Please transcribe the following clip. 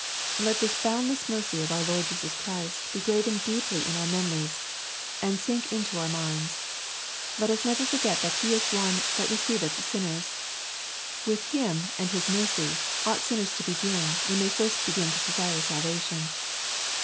Let this boundless mercy of our Lord Jesus Christ be LUKE, CHAP. XV. 185 graven deeply in our memories, and sink into our minds. Let us never forget that He is One '' thatreceiveth sin ners." With Him and His mercy sinners ought to begin, when they first begin to desire salvation.